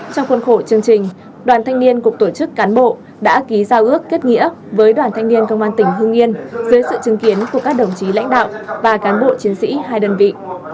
trong khuôn khổ chương trình đoàn thanh niên cục tổ chức cán bộ đã ký giao ước kết nghĩa với đoàn thanh niên công an tỉnh hương yên dưới sự chứng kiến của các đồng chí lãnh đạo và cán bộ chiến sĩ hai đơn vị